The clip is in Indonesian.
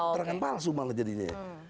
terangkan palsu malah jadinya